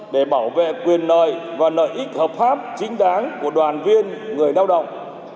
để bảo vệ quyền nợi và nợ ích hợp pháp chính đáng của đoàn viên người lao động